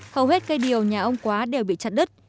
hầu hết cây điều nhà ông quá đều bị chặt đứt